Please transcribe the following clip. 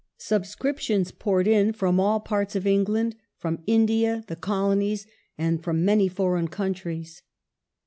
Subscriptions poured in from all parts of Eng land, from India, the Colonies, and from many foreign countries.